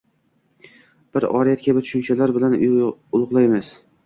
Biz oriyat kabi tushunchalar bilan ulgʻayganmiz.